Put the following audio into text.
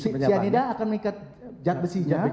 cyanida akan mengikat